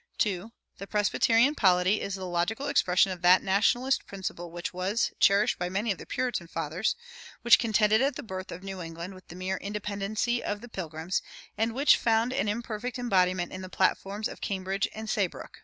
2. The Presbyterian polity is the logical expression of that Nationalist principle which was cherished by many of the Puritan fathers, which contended at the birth of New England with the mere Independency of the Pilgrims, and which found an imperfect embodiment in the platforms of Cambridge and Saybrook.